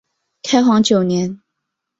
开皇九年。